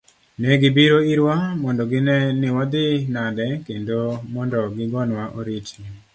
Ne gibiro irwa mondo ginee ni wadhi nade kendo mondo gigonwa oriti.